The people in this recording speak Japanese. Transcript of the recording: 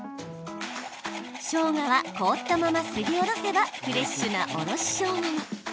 しょうがは凍ったまますりおろせばフレッシュなおろししょうがに。